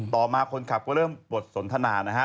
ต่อมาคนขับก็เริ่มบทสนทนานะฮะ